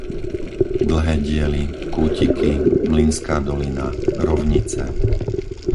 Dlhé diely, Kútiky, Mlynská dolina, Rovnice